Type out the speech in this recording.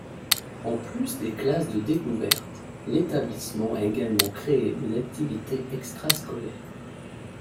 En plus des classes de découvertes, l'établissement a également créé des activités extra-scolaires.